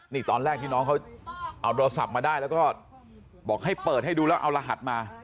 นี่ตอนแรกที่น้องเขาเอาโทรศัพท์มาได้แล้วก็บอกให้เปิดให้ดูแล้วเอารหัสมา